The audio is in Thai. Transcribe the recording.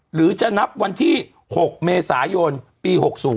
หรือจะนับวันที่๖เมษายนปี๖๐